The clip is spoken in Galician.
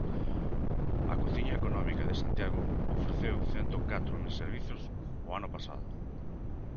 A Cociña Económica de Santiago ofreceu cento catro mil servizos o ano pasado.